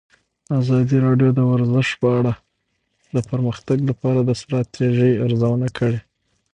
ازادي راډیو د ورزش په اړه د پرمختګ لپاره د ستراتیژۍ ارزونه کړې.